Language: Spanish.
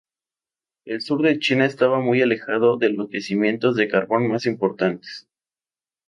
El sur de China estaba muy alejado de los yacimientos de carbón más importantes.